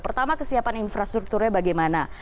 pertama kesiapan infrastrukturnya bagaimana